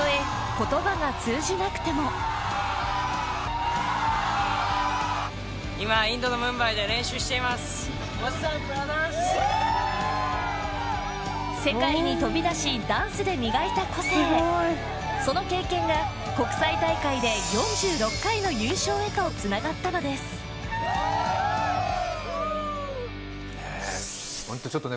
言葉が通じなくても世界に飛び出しダンスで磨いた個性その経験が国際大会で４６回の優勝へとつながったのですちょっとね